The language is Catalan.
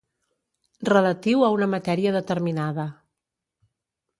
Relatiu a una matèria determinada.